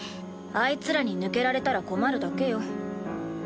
あいつらに抜けられたら困るだけよ。